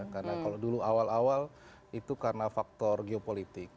karena kalau dulu awal awal itu karena faktor geopolitik